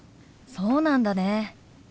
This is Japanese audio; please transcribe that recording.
「そうなんだね。